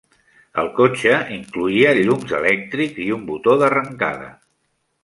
El cotxe incloïa llums elèctrics i un boto d'arrencada.